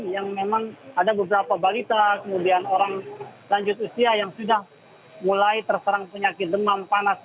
yang memang ada beberapa balita kemudian orang lanjut usia yang sudah mulai terserang penyakit demam panas